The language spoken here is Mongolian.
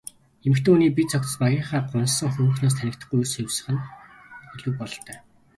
Эмэгтэй хүний бие цогцос багынхаа гунхсан хөөрхнөөс танигдахгүй эрс хувирах нь элбэг бололтой.